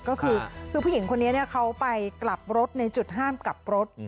ก็คือเพียงคนนี้เขากลับรถในจุดห้ามกลับรถ